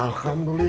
masakan dede pak